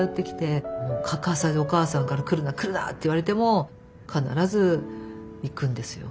お母さんから「来るな来るな」って言われても必ず行くんですよ。